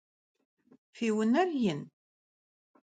Fi vuner yin?